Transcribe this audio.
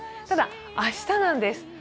ただ明日なんです。